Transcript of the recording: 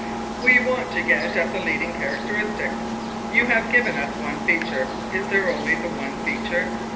We want to get at the leading characteristic. You have given us one feature. Is there only the one feature?